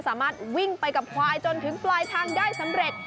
สามารถวิ่งไปกับควายจนถึงปลายทางได้สำเร็จ